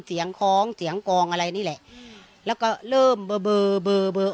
คล้องเสียงกองอะไรนี่แหละแล้วก็เริ่มเบอร์เบอร์เบอร์